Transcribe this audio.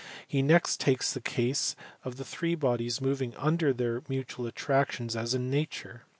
He next takes the case of three bodies moving under their mutual attractions as in nature.